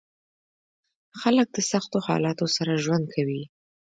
خلک د سختو حالاتو سره ژوند کوي.